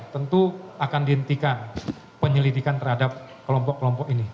tentu akan dihentikan penyelidikan terhadap kelompok kelompok ini